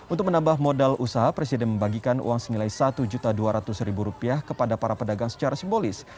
untuk menambah modal usaha presiden membagikan uang senilai rp satu dua ratus kepada para pedagang secara simbolis